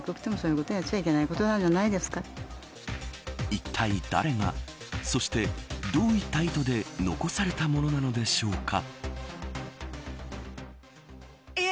一体、誰がそして、どういった意図で残されたものなのでしょうか。